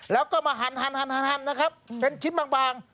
แล้วก็มาหั่นนะครับเป็นชิ้นบาง